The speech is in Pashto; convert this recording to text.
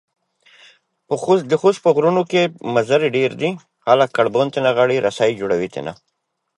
مرګ یې د نجات یوازینۍ لاره بولي.